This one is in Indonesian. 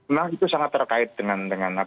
memang itu sangat terkait dengan